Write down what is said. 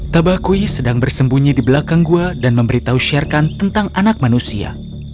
tabakui sedang bersembunyi di belakang gua dan memberitahu sherkan tentang anak manusia